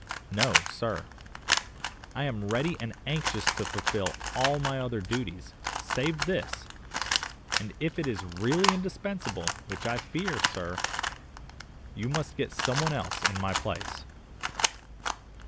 No, sir. I am ready and anxious to fulfil all my other duties, save this, and if it is really indispensable, why I fear, sir, you must get someone else in my place.